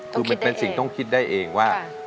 ต้องคิดได้เองต้องคิดได้เองว่า